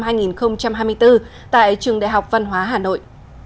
tại trường đại học văn hóa hà nội